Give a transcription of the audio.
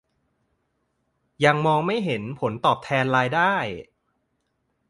ยังมองไม่เห็นผลตอบแทนรายได้